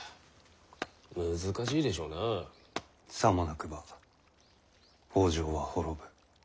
さもなくば北条は滅ぶ。